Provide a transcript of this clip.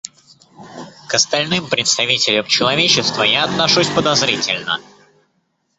К остальным представителям человечества я отношусь подозрительно.